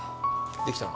できたの？